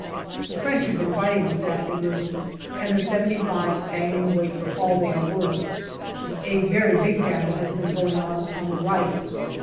The French have been fighting this afternoon, and the " 75 's " banging away for all they are worth. A very big battle has been going on on the right.